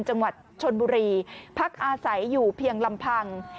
จังหวัดชนบุรีพักอาศัยอยู่เพียงลำพัง